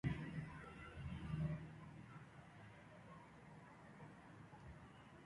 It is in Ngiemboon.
Premature varieties take lesser fertilizer.